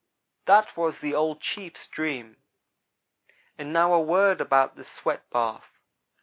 That was the old chief's dream and now a word about the sweat bath.